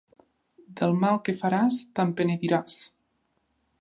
Del mal que faràs te'n penediràs.